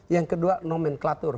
yang kedua nomenklatur